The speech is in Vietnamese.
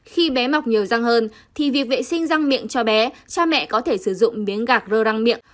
khi bé mọc nhiều răng hơn thì việc vệ sinh răng miệng cho bé cha mẹ có thể sử dụng miếng gạc rô răng miệng